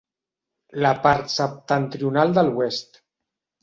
La part septentrional de l'oest.